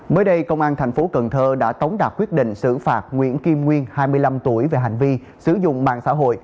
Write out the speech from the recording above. mới đây công an tp cn đã tống đạt quyết định xử phạt nguyễn kim nguyên hai mươi năm tuổi về hành vi sử dụng mạng xã hội